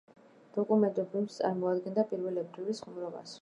დოკუმენტური ფილმი წარმოადგენდა პირველი აპრილის ხუმრობას.